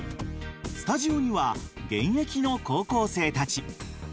スタジオには現役の高校生たち。